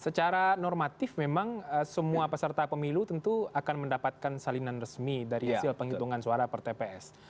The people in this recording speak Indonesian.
secara normatif memang semua peserta pemilu tentu akan mendapatkan salinan resmi dari hasil penghitungan suara per tps